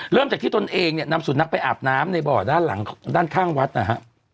เริ่มจากที่ตนเองนำสุนัขไปอาบน้ำในบ่อด้านข้างวัดนะครับ